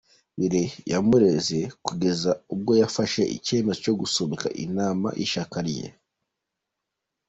Willy yamureze kugeza ubwo afashe icyemezo cyo gusubika inama y’ishyaka rye.